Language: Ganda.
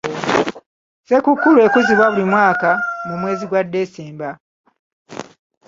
Ssekukkulu ekuzibwa buli mwaka mu mwezi gwa December.